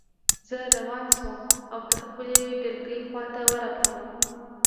زه روان شوم او د خپلې ډلګۍ خواته ورغلم